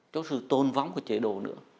cho sự tôn vong của chế độ nữa